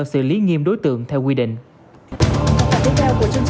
xử lý nghiêm đối tượng theo quy định